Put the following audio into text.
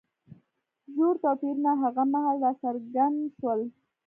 ژور توپیرونه هغه مهال راڅرګند شول.